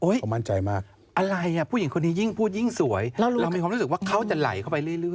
ผมมั่นใจมากอะไรอ่ะผู้หญิงคนนี้ยิ่งพูดยิ่งสวยเรามีความรู้สึกว่าเขาจะไหลเข้าไปเรื่อย